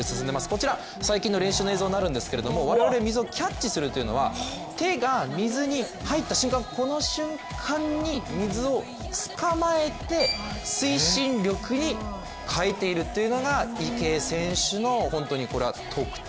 こちら、最近の練習の映像になるんですけど、我々水をキャッチするというのは手が水に入った瞬間、この瞬間に水をつかまえて推進力に変えているというのが池江選手のこれは本当に特長。